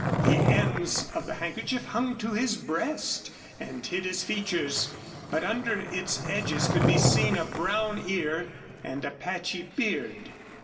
The ends of the handkerchief hung to his breast and hid his features, but under its edges could be seen a brown ear and a patchy beard.